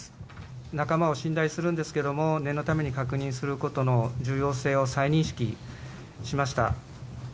仲間を信頼するんですけれども、念のために確認することの重要性を再認識しました。